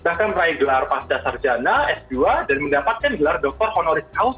bahkan meraih gelar pasca sarjana s dua dan mendapatkan gelar dokter honoris house